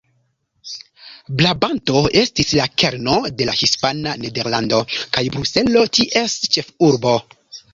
Brabanto estis la kerno de la hispana Nederlando, kaj Bruselo ties ĉefurbo.